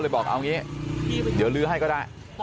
แต่ก่อนคำนะคะ